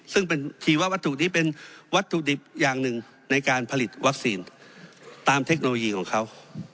ซึ่งชีวัตถุนี้เป็นวัตถุดิบอย่างหนึ่งในการผลิตวัคซีนตามเทคโนโลยีของเขา